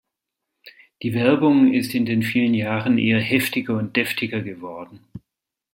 Die Werbung ist in den vielen Jahren eher heftiger und deftiger geworden.